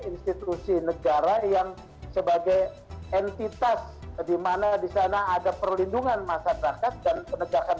institusi negara yang sebagai entitas dimana di sana ada perlindungan masyarakat dan penegakan